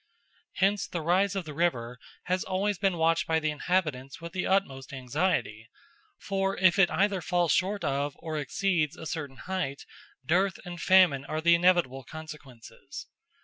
Hence the rise of the river has always been watched by the inhabitants with the utmost anxiety; for if it either falls short of or exceeds a certain height, dearth and famine are the inevitable consequences.